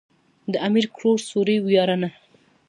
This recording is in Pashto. د امير کروړ سوري وياړنه.